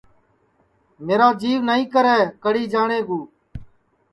میرا جیو نائی کرے کڑی جاٹؔے کُو